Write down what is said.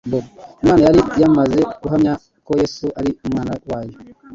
Imana yari yamaze guhamya ko Yesu ari Umwana wayo;